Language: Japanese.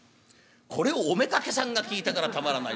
これをお妾さんが聞いたからたまらない。